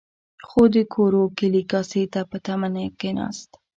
خو د کورو کلي کاسې ته په تمه نه کېناست.